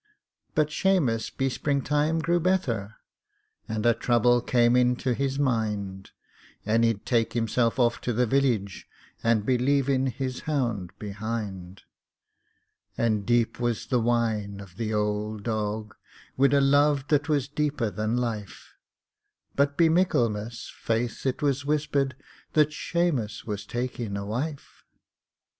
But Shamus be springtime grew betther, And a trouble came into his mind; And he'd take himself off to the village, And be leavin' his hound behind! And deep was the whine of the ould dog Wid a love that was deeper than life But be Michaelmas, faith, it was whispered That Shamus was takin' a wife!